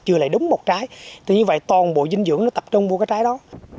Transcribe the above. chừa lại đúng một trái tự nhiên vậy toàn bộ dinh dưỡng nó tập trung vô cái trái đó